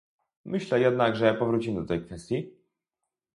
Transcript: Myślę jednak, że powrócimy do tej kwestii